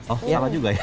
oh salah juga ya